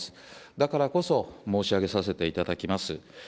だからこそ申し上げさせていただきます。